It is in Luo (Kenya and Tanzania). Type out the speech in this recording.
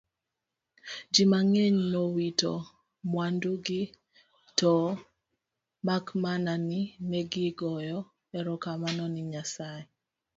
ji mang'eny nowito mwandugi to mak mana ni negigoyo erokamano ni Nyasaye